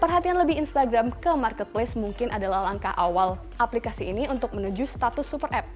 perhatian lebih instagram ke marketplace mungkin adalah langkah awal aplikasi ini untuk menuju status super app